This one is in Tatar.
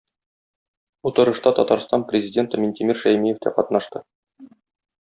Утырышта Татарстан Президенты Минтимер Шәймиев тә катнашты.